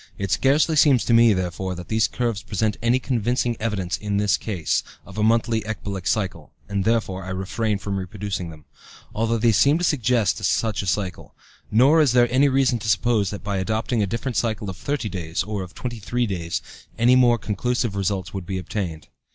It scarcely seems to me, therefore, that these curves present any convincing evidence in this case of a monthly ecbolic cycle (and, therefore, I refrain from reproducing them), although they seem to suggest such a cycle. Nor is there any reason to suppose that by adopting a different cycle of thirty days, or of twenty three days, any more conclusive results would be obtained.